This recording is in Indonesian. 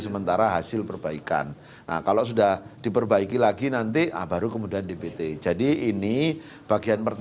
sabtu empat yang selengkap akan bikin penghentian ke